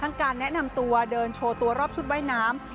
การแนะนำตัวเดินโชว์ตัวรอบชุดว่ายน้ำ